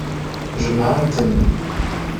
Jemɛen-ten.